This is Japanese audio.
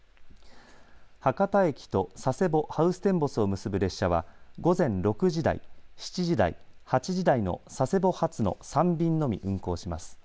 博多駅と佐世保・ハウステンボスを結ぶ列車は午前６時台、７時台、８時台の佐世保発の３便のみ運行します。